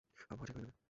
আবহাওয়া ঠিক হয়ে গেলে।